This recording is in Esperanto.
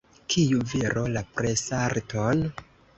Kiu viro la presarton?